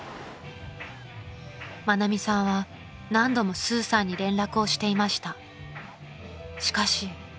［愛美さんは何度もスーさんに連絡をしていました］